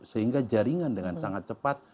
sehingga jaringan dengan sangat cepat